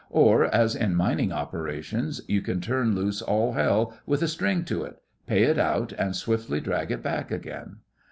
Or, as in mining operations, you can turn loose all hell with a string to it—pay it out and swiftly drag it back again.